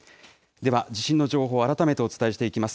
では、地震の情報、改めてお伝えしていきます。